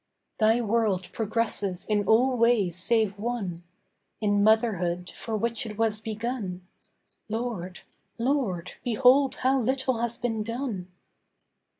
Thy world progresses in all ways save one. In Motherhood, for which it was begun, Lord, Lord, behold how little has been done!